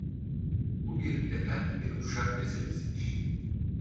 Bu bir efendi ve uşak meselesidir.